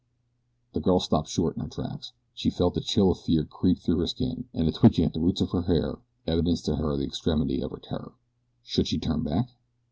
The girl stopped short in her tracks. She felt the chill of fear creep through her skin, and a twitching at the roots of her hair evidenced to her the extremity of her terror. Should she turn back?